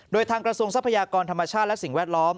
โดยทางกระทรวงทรัพยากรธรรมชาติและสิ่งแวดล้อม